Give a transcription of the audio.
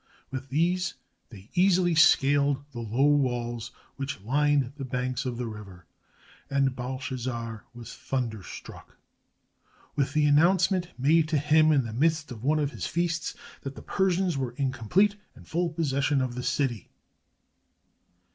With these they easily scaled the low walls which lined the banks of the river, and Bcl shazzar was thunderstruck with the announcement made to him in the midst of one of his feasts that the Persians were in complete and full possession of the city.